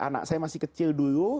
anak saya masih kecil dulu